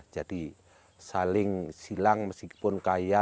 jadi saling silang meskipun kaya